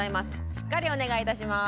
しっかりお願いいたします